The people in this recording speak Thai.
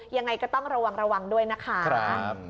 ยังไงก็ต้องระวังด้วยนะคะ